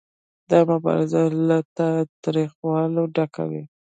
دا مبارزه له تاوتریخوالي ډکه وي